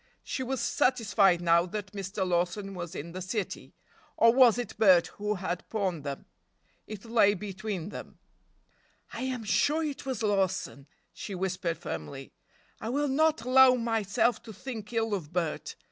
She was satisfied now that Mr. Lawson was in the city—or was it Bert who had pawned them? It lay between them. "I am sure it was Lawson," she whispered firmly: "I will not allow myself to think ill of Bert.